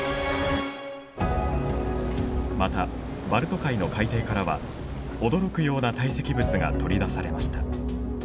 またバルト海の海底からは驚くような堆積物が取り出されました。